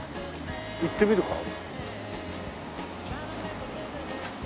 行ってみるか。